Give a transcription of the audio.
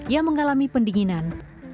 yang mengalami pendinginan